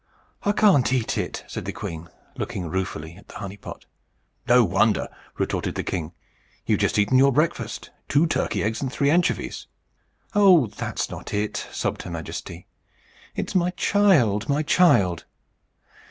"I can't eat it," said the queen, looking ruefully at the honey pot. "No wonder!" retorted the king. "You've just eaten your breakfast two turkey eggs, and three anchovies." "Oh, that's not it!" sobbed her Majesty. "It's my child, my child!"